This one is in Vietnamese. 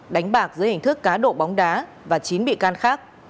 đánh bạc dưới hình thức cá độ bóng đá và chín bị can khác